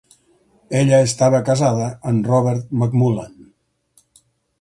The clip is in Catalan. Ella estava casada amb Robert McMullan.